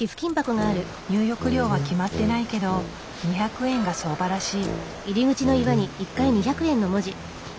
入浴料は決まってないけど２００円が相場らしい。